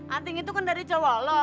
anting itu kan dari cowok lo